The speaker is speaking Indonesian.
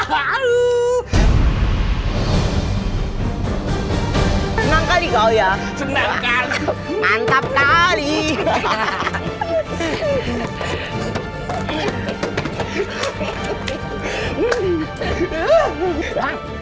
hai senang kali kau ya senangkan mantap kali hahaha